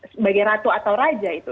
sebagai ratu atau raja itu